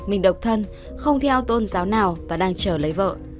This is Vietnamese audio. mình độc thân không theo tôn giáo nào và đang chờ lấy vợ